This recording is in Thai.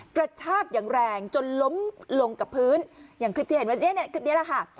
กระทากอย่างแรงจนล้มลงกะพื้นยนทร์คลิปนี้